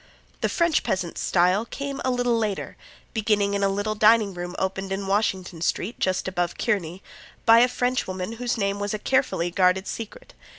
The French peasant style came a little later, beginning in a little dining room opened in Washington street, just above Kearny, by a French woman whose name was a carefully guarded secret.